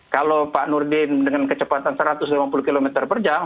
kalau pak nurdin dengan kecepatan satu ratus lima puluh km per jam